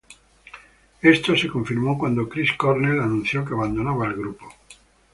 Esto se confirmó cuando Chris Cornell anunció que abandonaba al grupo.